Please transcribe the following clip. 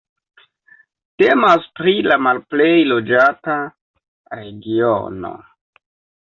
Temas pri la malplej loĝata regiono.